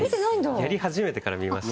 やり始めてから見ました。